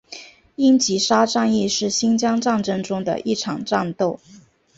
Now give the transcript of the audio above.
英吉沙战役是新疆战争中的一场战斗。